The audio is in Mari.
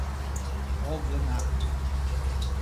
— Огына!..